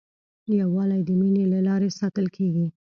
یووالی د مینې له لارې ساتل کېږي.